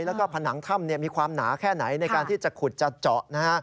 แล้วก็ผนังถ้ำมีความหนาแค่ไหนในการที่จะขุดจะเจาะนะฮะ